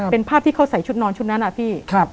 เป็นภาพที่เขาใส่ชุดนอนชุดนั้นอะพี่